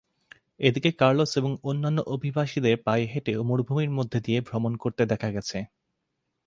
এদিকে, কার্লোস এবং অন্যান্য অভিবাসীদের পায়ে হেঁটে মরুভূমির মধ্য দিয়ে ভ্রমণ করতে দেখা গেছে।